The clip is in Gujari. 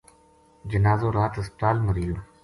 جنازو رات ہسپتال ما رہیو